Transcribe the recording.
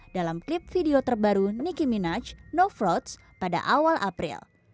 dalam klip video terbaru nicki minaj no frauds pada awal april